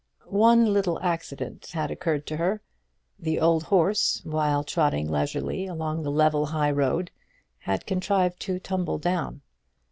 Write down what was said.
One little accident had occurred to her. The old horse, while trotting leisurely along the level high road, had contrived to tumble down.